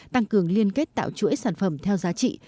tăng cường liên kết tạo chuỗi sản phẩm theo giá trị